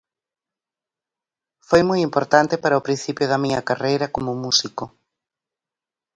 Foi moi importante para o principio da miña carreira como músico.